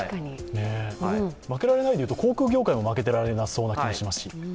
負けられないでいうと航空業界も負けられない気がしますし。